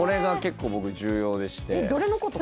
えっどれのこと？